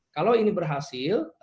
kalau ini berhasil